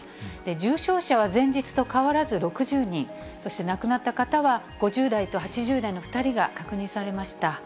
重症者は前日と変わらず６０人、そして亡くなった方は、５０代と８０代の２人が確認されました。